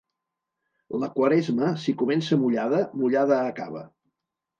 La Quaresma, si comença mullada, mullada acaba.